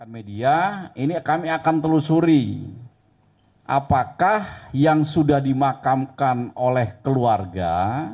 media ini kami akan telusuri apakah yang sudah dimakamkan oleh keluarga